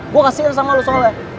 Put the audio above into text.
gua kasian sama lu soalnya